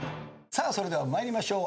それでは参りましょう。